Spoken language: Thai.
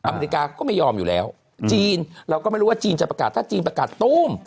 อเมริกาก็ไม่ยอมอยู่แล้วจีนเราก็ไม่รู้ว่าจีนจะประกาศถ้าจีนประกาศตู้ม